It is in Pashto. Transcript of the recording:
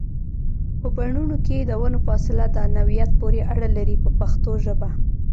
په بڼونو کې د ونو فاصله د نوعیت پورې اړه لري په پښتو ژبه.